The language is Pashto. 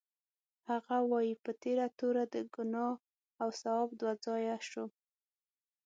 هغه وایي: په تېره توره د ګناه او ثواب دوه ځایه شو.